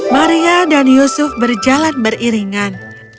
maria dan yusuf berjalan beriringan